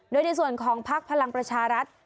โดยในส่วนของพักพลังประชารัฐ